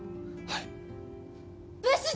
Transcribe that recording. はい。